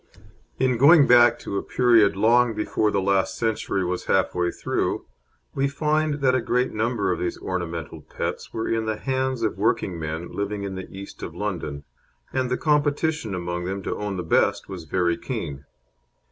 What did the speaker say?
In going back to a period long before the last century was half way through, we find that a great number of these ornamental pets were in the hands of working men living in the East End of London, and the competition among them to own the best was very keen.